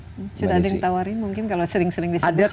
sudah ada yang tawarin mungkin kalau sering sering disebut siapa tahu